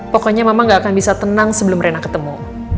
pokoknya mama gak akan bisa tenang sebelum rena ketemu